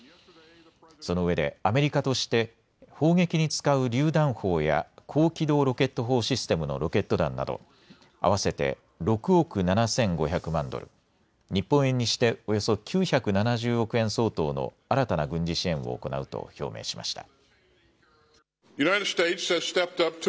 そのうえでアメリカとして砲撃に使うりゅう弾砲や高機動ロケット砲システムのロケット弾など合わせて６億７５００万ドル、日本円にしておよそ９７０億円相当の新たな軍事支援を行うと表明しました。